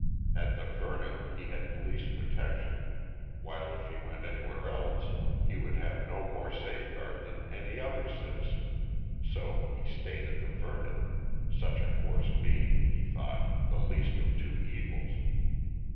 At the Vernon he had police protection, while if he went anywhere else he would have no more safeguard than any other citizen; so he stayed on at the Vernon, such a course being, he thought, the least of two evils.